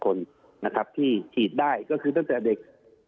พี่น้องประชาชนทุกคนนะครับที่ฉีดได้ก็คือตั้งแต่เด็ก